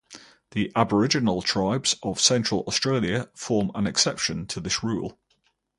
The aboriginal tribes of Central Australia form an exception to this rule.